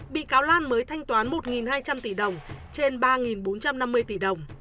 bị cáo lan mới thanh toán một hai trăm linh tỷ đồng trên ba bốn trăm năm mươi tỷ đồng